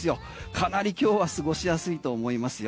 かなり今日は過ごしやすいと思いますよ。